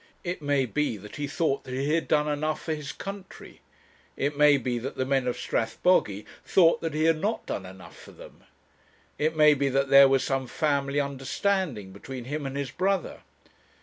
It may be that he thought that he had done enough for his country; it may be that the men of Strathbogy thought that he had not done enough for them; it may be that there was some family understanding between him and his brother.